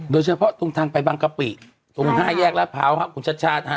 โดยเฉพาะตรงทางไปบังกะปิตรงทางแยกลาดพร้าวคุณชัดค่ะ